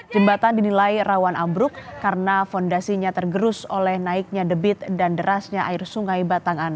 jembatan dinilai rawan ambruk karena fondasinya tergerus oleh naiknya debit dan derasnya air sungai batangan